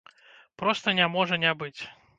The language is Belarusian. Проста не можа не быць!